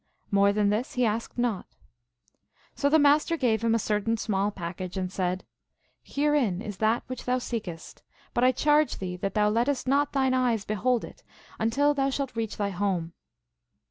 More than this he asked not. So the Mas ter gave him a certain small package, and said, " Herein is that which thou seekest ; but I charge thee that thou lettest not thine eyes behold it until thou shalt reach thy home."